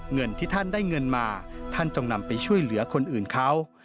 เงินที่ท่านได้เงินมาท่านจงนำไปช่วยเหลือคนอื่นเขา